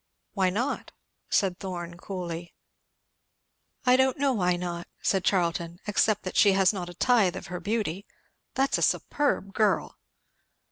"Why not?" said Thorn coolly. "I don't know why not," said Charlton, "except that she has not a tithe of her beauty. That's a superb girl!"